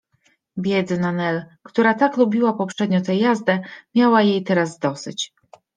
Biedna Nel, która tak lubiła poprzednio tę jazdę, miała jej teraz dosyć.